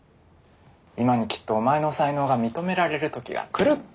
今にきっとお前の才能が認められる時がくるって。